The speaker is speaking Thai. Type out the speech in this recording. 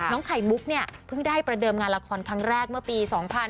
ไข่มุกเนี่ยเพิ่งได้ประเดิมงานละครครั้งแรกเมื่อปี๒๕๕๙